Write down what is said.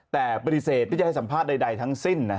แต่ปฏิเสธที่จะให้สัมภาษณ์ใดทั้งสิ้น